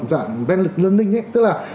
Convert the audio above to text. dạng ven lực learning tức là